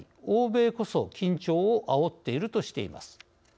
欧米こそ緊張をあおっているとしています。